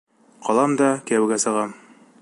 Ҡалам да кейәүгә сығам.